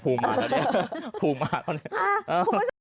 นี่ไงภูมิมาแล้วเนี่ย